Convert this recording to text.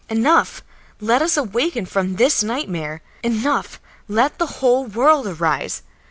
Enough, let us awaken from this nightmare! Enough, let the whole world arise!